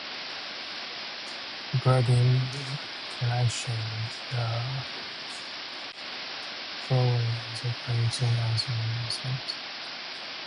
Regarding pronunciation, the following variants apply equally to both "tretinoin" and "isotretinoin".